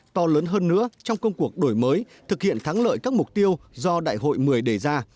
to lớn hơn nữa trong công cuộc đổi mới thực hiện thắng lợi các mục tiêu do đại hội một mươi đề ra